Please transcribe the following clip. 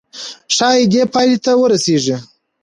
ښايي دې پايلې ته ورسيږئ.